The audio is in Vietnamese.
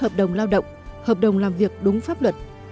người lao động đã chấm dứt hợp đồng lao động hợp đồng làm việc đúng pháp luật